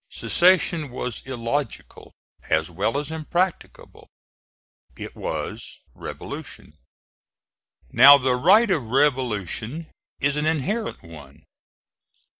Secession was illogical as well as impracticable; it was revolution. Now, the right of revolution is an inherent one.